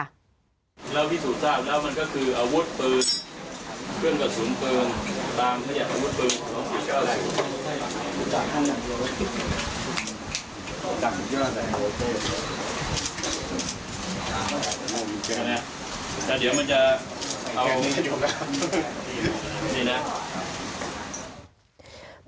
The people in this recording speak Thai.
แล้วที่สูตรทราบแล้วมันก็คืออวดปืนเคลื่อนกับศูนย์ปืนตามเขยาอวดปืน